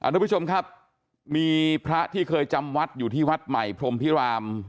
ทุกผู้ชมครับมีพระที่เคยจำวัดอยู่ที่วัดใหม่พรมพิราม